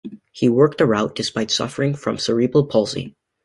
He worked a route despite suffering from cerebral palsy.